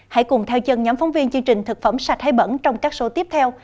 hãy cùng theo chân nhóm phóng viên chương trình thực phẩm sạch hay bẩn trong các số tiếp theo